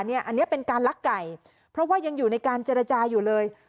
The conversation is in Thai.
อันนี้เป็นการลักไก่เพราะว่ายังอยู่ในการเจรจาอยู่เลย